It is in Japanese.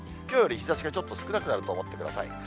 きょうより日ざしがちょっと少なくなると思ってください。